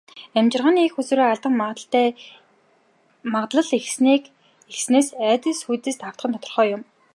Амьжиргааны эх үүсвэрээ алдах магадлал ихэссэнээс айдас хүйдэст автах нь тодорхой юм.